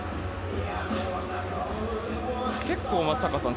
結構、松坂さん。